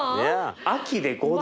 秋で５度！